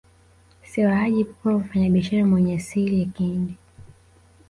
Sewa Haji Proo mfanyabiashara mwenye asili ya Kihindi